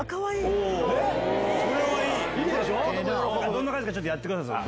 どんな感じかやってください。